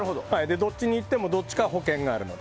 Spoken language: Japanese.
どっちにいってもどっちかに保険があるので。